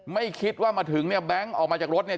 ไม่คิดว่ามาถึงเนี่ยแบงค์ออกมาจากรถเนี่ย